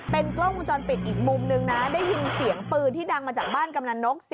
เป็นกล้องวงจรปิดอีกมุมนึงนะได้ยินเสียงปืนที่ดังมาจากบ้านกำนันนก